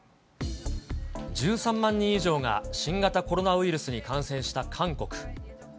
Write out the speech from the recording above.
１３万人以上が新型コロナウイルスに感染した韓国。